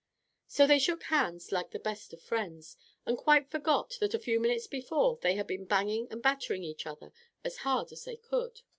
So they shook hands like the best of friends, and quite forgot that a few minutes before they had been banging and battering each other as hard as they could.